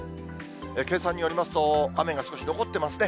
計算によりますと、雨が少し残ってますね。